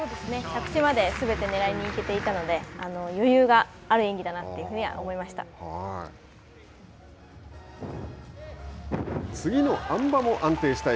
着地まですべてねらいにいけていたので余裕がある演技だなというふうには思いました。